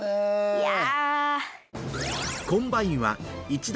いや。